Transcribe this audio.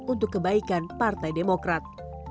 untuk kebaikan partai demokrat